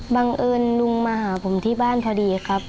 บังเอิญลุงมาหาผมที่บ้านพอดีครับ